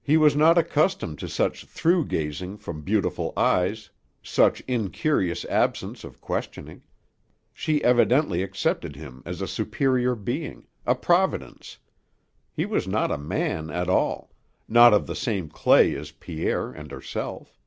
He was not accustomed to such through gazing from beautiful eyes, such incurious absence of questioning. She evidently accepted him as a superior being, a Providence; he was not a man at all, not of the same clay as Pierre and herself.